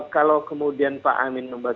kalau kemudian pak amin membuat